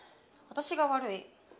私が悪い。